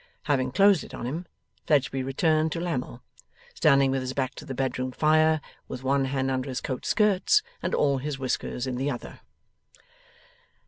Having closed it on him, Fledgeby returned to Lammle, standing with his back to the bedroom fire, with one hand under his coat skirts, and all his whiskers in the other.